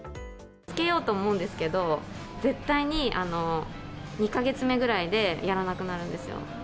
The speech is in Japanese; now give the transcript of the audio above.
つけようと思うんですけど、絶対に２か月目ぐらいでやらなくなるんですよ。